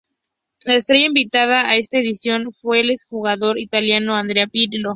La estrella invitada a esta edición fue el ex-jugador italiano Andrea Pirlo.